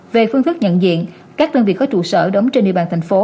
về phương thức nhận diện các đơn vị có trụ sở đóng trên địa bàn thành phố